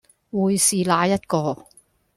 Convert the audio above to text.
會是哪一個